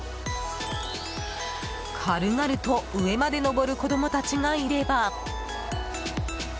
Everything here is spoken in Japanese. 軽々と上まで登る子供たちがいれば。